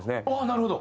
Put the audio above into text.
なるほど。